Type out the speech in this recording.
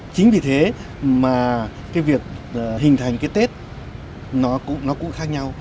chính vì thế mà cái việc hình thành cái tết nó cũng khác nhau